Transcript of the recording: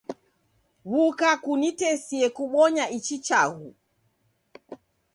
W'uka kuitesie kubonya ichi chaghu